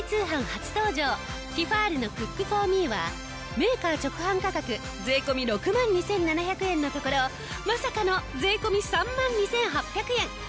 初登場ティファールのクックフォーミーはメーカー直販価格税込６万２７００円のところまさかの税込３万２８００円！